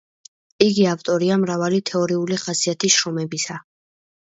იგი ავტორია მრავალი თეორიული ხასიათის შრომებისა,